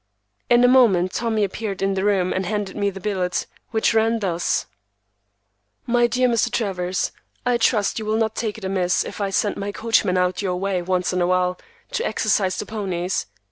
In a moment Tommy appeared in the room and handed me the billet, which ran thus:— MY DEAR MR. TRAVERS,—I trust you will not take it amiss if I send my coachman out your way once in a while to exercise the ponies.